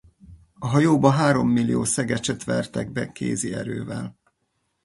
A hajóba hárommillió szegecset vertek be kézi erővel.